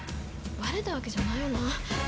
バレたわけじゃないよな。